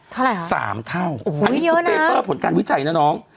เท่าไหร่หรอโอ้โหเยอะนะอันนี้เป็นเตเปอร์ผลการวิจัยนะน้อง